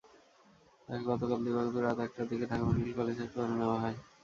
তাঁকে গতকাল দিবাগত রাত একটার দিকে ঢাকা মেডিকেল কলেজ হাসপাতালে নেওয়া হয়।